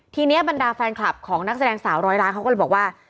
ทีนี้บรรดาแฟนคลับของนักแสดงสาวร้อยล้านเขาก็เลยบอกว่า